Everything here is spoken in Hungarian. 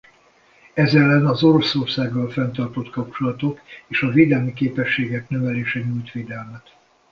Ez ellen az Oroszországgal fenntartott kapcsolatok és a védelmi képességek növelése nyújt védelmet.